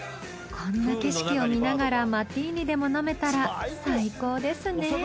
こんな景色を見ながらマティーニでも飲めたら最高ですね。